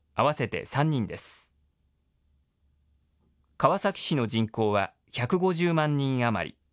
川崎市の人口は１５０万人余り。